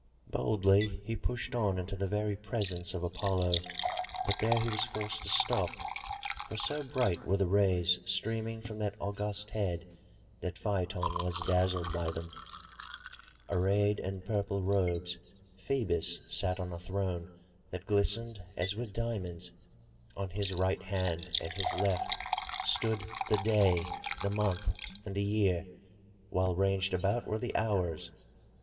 Boldly he pushed on into the very presence of Apollo. But there he was forced to stop, for so bright were the rays streaming from that august head that Phaeton was dazzled by them. Arrayed in purple robes, Phoebus sat on a throne that glistened as with diamonds. On his right hand and his left stood the Day, the Month and the Year, while ranged about were the Hours.